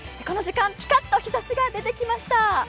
この時間、ピカッと日ざしが出てきました。